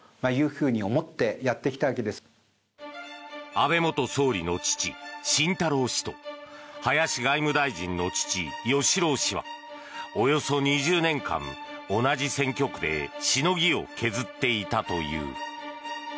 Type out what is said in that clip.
安倍元総理の父・晋太郎氏と林外務大臣の父・義郎氏はおよそ２０年間、同じ選挙区でしのぎを削っていたという。